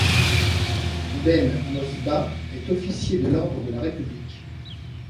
Ben Mosbah est officier de l'Ordre de la République.